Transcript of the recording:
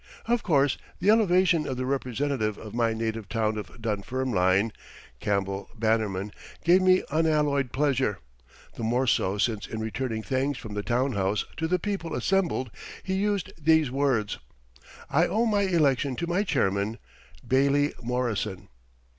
Of course, the elevation of the representative of my native town of Dunfermline (Campbell Bannerman) gave me unalloyed pleasure, the more so since in returning thanks from the Town House to the people assembled he used these words: "I owe my election to my Chairman, Bailie Morrison."